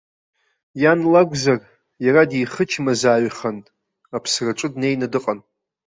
Иан лакәзар, иара дихычмазааҩхан, аԥсраҿы днеины дыҟан.